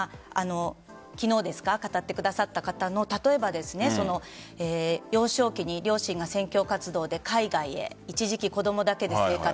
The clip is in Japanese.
昨日、語ってくださった方の例えば幼少期に両親が宣教活動で海外へ一時期、子供だけで生活。